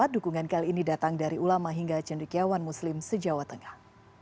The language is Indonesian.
dukungan kali ini datang dari ulama hingga cendikiawan muslim se jawa tengah